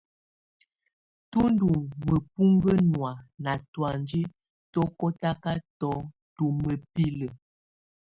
Tù ndù mǝpuŋkǝ nɔ̀á na tɔ̀anjɛ kɔtakatɔ tu mǝpilǝ.